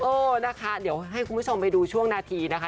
เออนะคะเดี๋ยวให้คุณผู้ชมไปดูช่วงนาทีนะคะ